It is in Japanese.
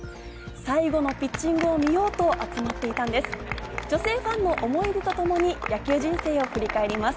最後のピッチングを見ようと集まっていたんです。